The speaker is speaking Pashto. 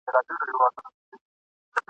د لیندۍ په شانی غبرگی په گلونو دی پوښلی ..